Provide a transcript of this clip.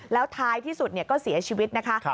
แล้วท้ายที่สุดก็เสียชีวิตนะคะ